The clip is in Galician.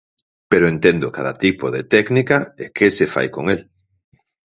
Pero entendo cada tipo de técnica e que se fai con el.